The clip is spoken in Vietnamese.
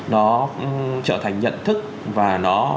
nó trở thành nhận thức và nó